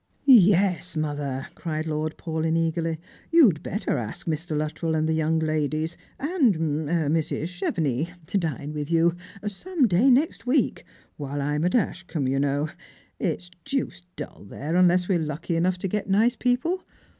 " Yes, mother," cried Lord Paulyn eagerly ;" you'd better apk Mr. Luttrell and the young ladies, and — er — Mrs. Chevenix to dine with you some day next week, while I'm at Ashcombe, you know. It's deuced dull there unless we're lucky enough to get nice people.